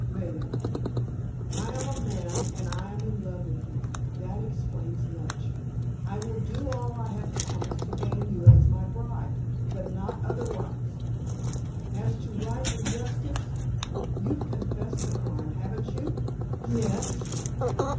"Maida, I am a man and I am in love with you. That explains much. I will do all I have promised, to gain you as my bride—but not otherwise. As to right and justice—you've confessed the crime, haven't you?" "Yes."